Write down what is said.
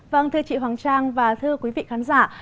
vâng thưa chị hoàng trang và thưa quý vị khán giả